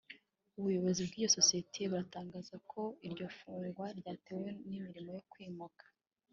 ubuyobozi bw’iyi sosiyete buratangaza ko iryo fungwa ryatewe n’imirimo yo kwimuka